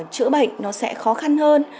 chữa bệnh nó sẽ khó khăn hơn